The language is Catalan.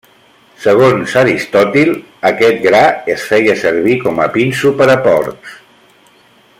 Segons Aristòtil aquest gra es feia servir com a pinso per a porcs.